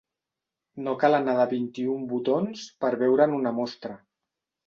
No cal anar de vint-i-un botons per veure'n una mostra.